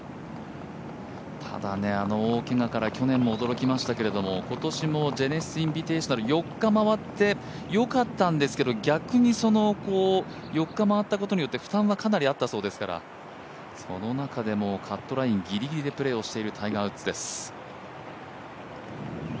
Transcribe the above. ただね、あの大きなけがも驚きましたけど今年もジェネシス・インビテーショナル４日回って、良かったんですけど逆に４日、回ったことによって負担はかなりあったそうですからその中でもカットラインギリギリでプレーをしているタイガー・ウッズです。